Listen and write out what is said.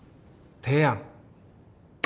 提案？